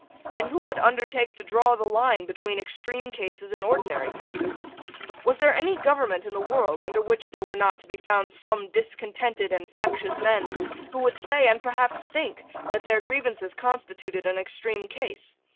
And who would undertake to draw the line between extreme cases and ordinary cases? Was there any government in the world under which there were not to be found some discontented and factious men who would say, and perhaps think, that their grievances constituted an extreme case?